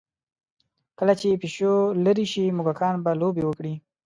کله چې پیشو لرې شي، موږکان به لوبې وکړي.